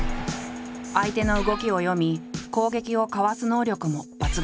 相手の動きを読み攻撃をかわす能力も抜群だ。